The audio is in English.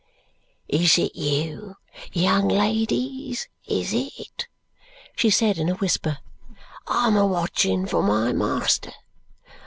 "It's you, young ladies, is it?" she said in a whisper. "I'm a watching for my master.